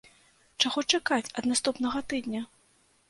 Чаго чакаць ад наступнага тыдня?